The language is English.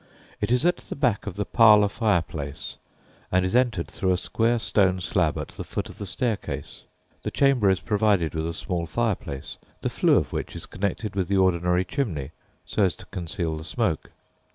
It is at the back of "the parlour" fireplace, and is entered through a square stone slab at the foot of the staircase. The chamber is provided with a small fireplace, the flue of which is connected with the ordinary chimney, so as to conceal the smoke.